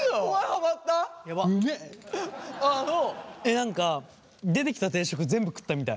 何か出てきた定食全部食ったみたい。